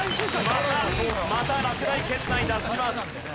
またまた落第圏内脱します。